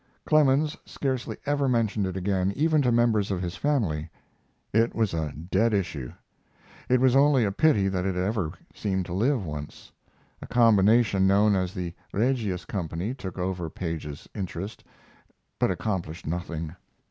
Clemens scarcely ever mentioned it again, even to members of his family. It was a dead issue; it was only a pity that it had ever seemed a live one. A combination known as the Regius Company took over Paige's interest, but accomplished nothing.